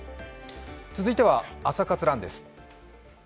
続いては「朝活ＲＵＮ」です。